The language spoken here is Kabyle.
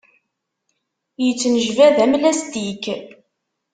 Yettnejbad am lastik.